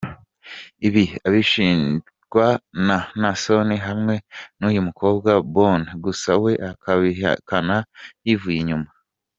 Ibi abishinjwa na Naason hamwe n’uyu mukobwa Bonne, gusa we akabihakana yivuye inyuma.